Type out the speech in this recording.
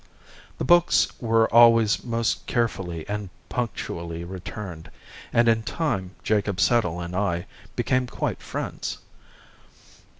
The books were always most carefully and punctually returned, and in time Jacob Settle and I became quite friends.